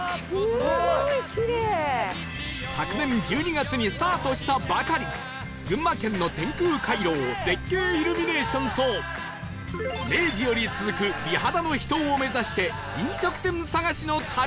昨年１２月にスタートしたばかり群馬県の天空回廊絶景イルミネーションと明治より続く美肌の秘湯を目指して飲食店探しの旅へ